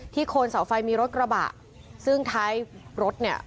โคนเสาไฟมีรถกระบะซึ่งท้ายรถเนี่ย